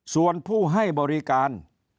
ส่วนผู้ให้บริการ